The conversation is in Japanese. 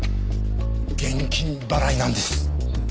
現金払いなんです。